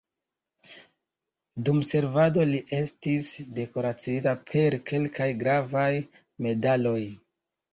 Dum servado li estis dekoraciita per kelkaj gravaj medaloj.